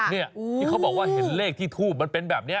นี่ที่เขาบอกว่าเห็นเลขที่ทูบมันเป็นแบบนี้